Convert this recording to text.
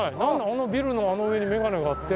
あのビルのあの上にメガネがあって。